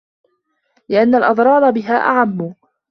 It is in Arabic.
لِأَنَّ الْأَضْرَارَ بِهَا أَعَمُّ